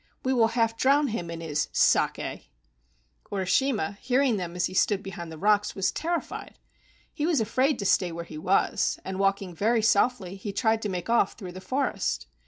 We will half drown him in his ' saki/ " Urishima, hearing them as he stood behind the rocks, was terrified. He was afraid to stay where he was, and walking very softly, he tried to make off through the forest.